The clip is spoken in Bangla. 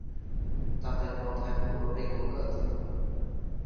তাঁদের কথায়, পুরোটাই লোকগাথা।